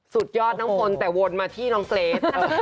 สุดยอดนะฝนแต่โวนมาที่น้องเกซ